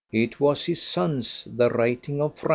it was his son's, the writing of Franz.